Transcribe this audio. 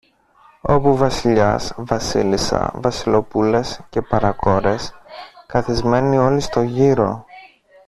όπου Βασιλιάς, Βασίλισσα, Βασιλοπούλες και παρακόρες, καθισμένοι όλοι στο γύρο